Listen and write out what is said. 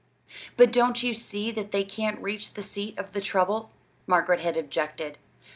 "But don't you see that they can't reach the seat of the trouble?" Margaret had objected.